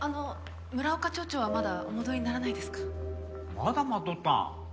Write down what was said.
まだ待っとったん？